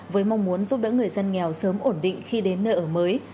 với mong muốn giúp đỡ người dân nghèo sớm ổn định khi đến nơi ở mới